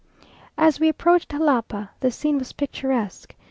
As we approached Jalapa, the scene was picturesque.